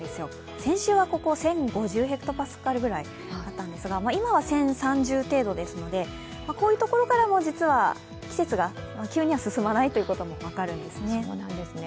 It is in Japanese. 先週はここ１０５０ｈＰａくらいあったんですが今は１０３０程度ですので、こういうところからも実は季節が急には進まないということも分かるんですね。